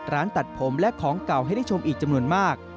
ร้านตัดผมและของเก่าให้ได้ชมอีกจำนวนมาก